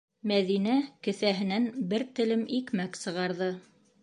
Мәҙинә кеҫәһенән бер телем икмәк сығарҙы: